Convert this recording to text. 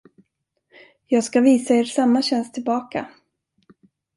Jag skall visa er samma tjänst tillbaka.